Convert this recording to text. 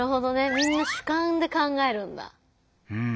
みんな主観で考えるんだ。